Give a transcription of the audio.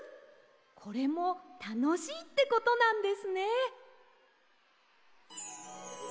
これも「たのしい」ってことなんですね。